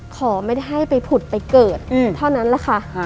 ขอไม่ได้ให้ไปผุดไปเกิดเท่านั้นแหละค่ะ